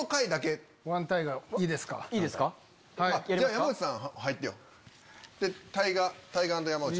山内さん入ってよ。